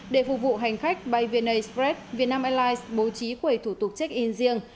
để phục vụ hành khách bay vna spread vietnam airlines bố trí quầy thủ tục check in riêng